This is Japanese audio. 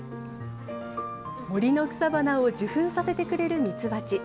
森の草花を受粉させてくれるミツバチ。